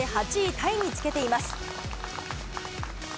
タイにつけています。